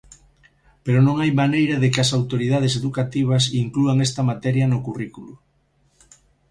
Pero non hai maneira de que as autoridades educativas inclúan esta materia no currículo.